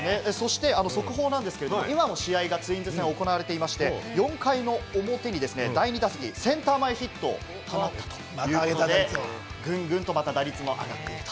速報なんですけれども、今試合が行われていまして４回の表に第２打席センター前ヒットを放ったということで、ぐんぐんとまた打率も上がると。